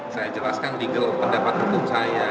saya jelaskan di gelok pendapat hukum saya